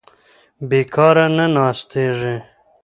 بېکاره نه ناستېږي.